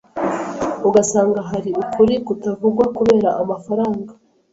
ugasanga hari ukuri kutavugwa kubera amafaranga